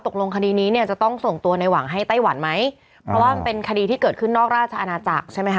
คดีนี้เนี่ยจะต้องส่งตัวในหวังให้ไต้หวันไหมเพราะว่ามันเป็นคดีที่เกิดขึ้นนอกราชอาณาจักรใช่ไหมคะ